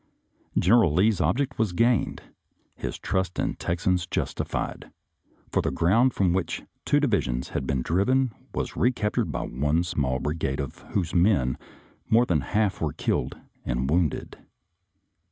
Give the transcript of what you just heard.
General Lee's ob ject was gained, his trust in the Texans justified, for the ground from which two divisions had been driven was recaptured by one small bri gade of whose men more than one half were killed and wounded.